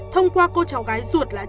thông qua cô cháu gái ruột là trương mỹ lan